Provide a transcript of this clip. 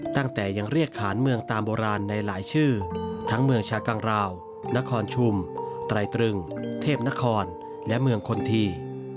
ตั้งแต่ยังเรียกขานเมืองตามโบราณในหลายชื่อทั้งเมืองชากังราวนครชุมไตรตรึงเทพนครและเมืองคนที